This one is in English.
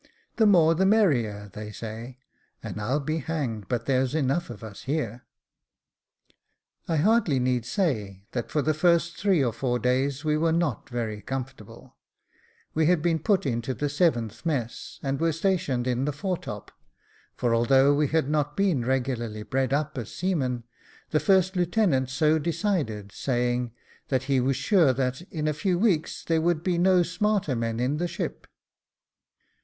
The more the merrier, they say, and I'll be hanged but there's enough of us here." I hardly need say, that for the first three or four days we were not very comfortable ; we had been put into the seventh mess, and were stationed in the foretop ; for although we had not been regularly bred up as seamen, the first lieutenant so decided, saying, that he was sure that, in a few weeks, there would be no smarter men in the ship.